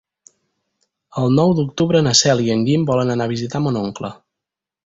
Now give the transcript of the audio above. El nou d'octubre na Cel i en Guim volen anar a visitar mon oncle.